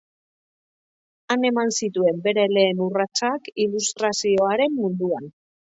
Han eman zituen bere lehen urratsak ilustrazioaren munduan.